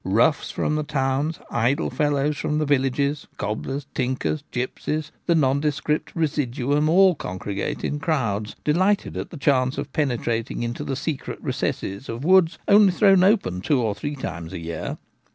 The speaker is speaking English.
Roughs from the towns, idle fellows from the villages, cobblers, tinkers, gipsies, the nondescript ' residuum,' all congregate in crowds, delighted at the chance of penetrating into the secret recesses of woods only thrown open two or three times a year.